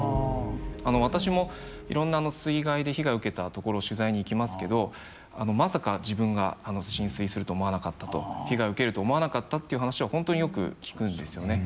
私もいろんな水害で被害を受けた所を取材に行きますけどまさか自分が浸水すると思わなかったと被害を受けると思わなかったっていう話は本当によく聞くんですよね。